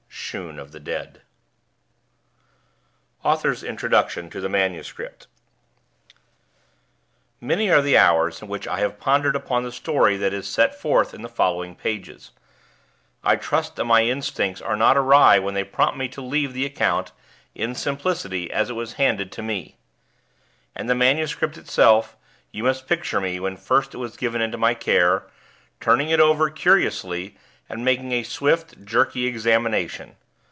Shoon of the Dead AUTHOR'S INTRODUCTION TO THE MANUSCRIPT Many are the hours in which I have pondered upon the story that is set forth in the following pages. I trust that my instincts are not awry when they prompt me to leave the account, in simplicity, as it was handed to me. And the MS. itself You must picture me, when first it was given into my care, turning it over, curiously, and making a swift, jerky examination.